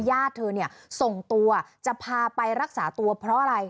ญาติเธอเนี่ยส่งตัวจะพาไปรักษาตัวเพราะอะไร